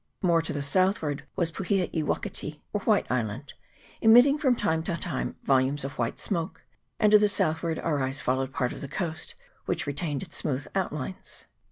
More to the south ward was Puhia i Wakati, or White Island, emit ting from time to time volumes of white smoke ; and to the southward our eyes followed part of the coast, which retained its smooth outlines.